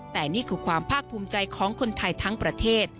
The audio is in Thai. แต่นี่คือความภาคภูมิใจของคนไทยทั้งประเทศ